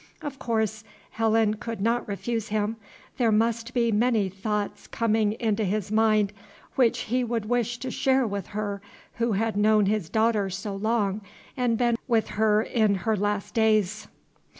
Of course Helen could not refuse him; there must be many thoughts coming into his mind which he would wish to share with her who had known his daughter so long and been with filer in her last days.